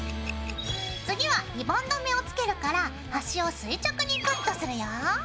次はリボン留めをつけるからはしを垂直にカットするよ。